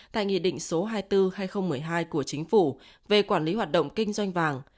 tại nghị định số hai mươi bốn hai nghìn một mươi hai của chính phủ về quản lý hoạt động kinh doanh vàng